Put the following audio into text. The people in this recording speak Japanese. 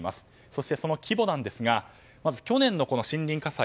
そして、その規模なんですがまず去年の森林火災。